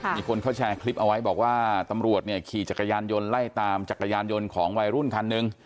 มีคนเขาแชร์คลิปเอาไว้บอกว่าตำรวจเนี่ยขี่จักรยานยนต์ไล่ตามจักรยานยนต์ของวัยรุ่นคันหนึ่ง